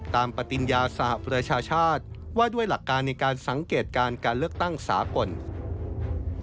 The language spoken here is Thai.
ปฏิญญาสหประชาชาติว่าด้วยหลักการในการสังเกตการการเลือกตั้งสากล